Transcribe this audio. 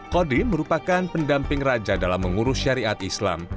kodim merupakan pendamping raja dalam mengurus syariat islam